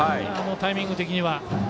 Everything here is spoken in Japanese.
タイミング的には。